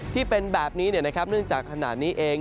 ที่เป็นแบบนี้เนี่ยนะครับเนื่องจากขณะนี้เอง